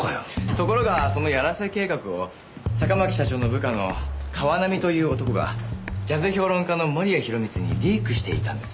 ところがそのヤラセ計画を坂巻社長の部下の川南という男がジャズ評論家の盛谷弘光にリークしていたんです。